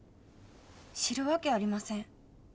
知る訳ありません。